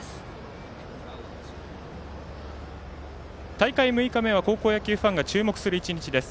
大会６日目は高校野球ファンが注目する１日です。